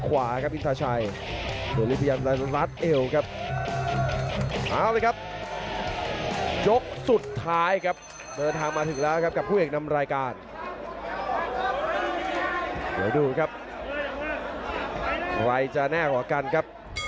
วัยจะแน่กว่ากันครับ